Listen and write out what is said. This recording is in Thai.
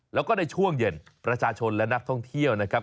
แล้วก็ในช่วงเย็นประชาชนและนักท่องเที่ยวนะครับ